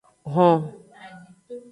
Hon.